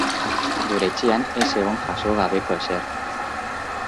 Gure etxean ez zegoen jaso gabeko ezer.